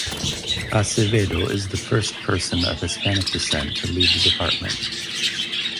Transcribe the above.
Acevedo is the first person of Hispanic descent to lead the department.